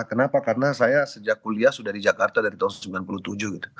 kenapa karena saya sejak kuliah sudah di jakarta dari tahun seribu sembilan ratus sembilan puluh tujuh gitu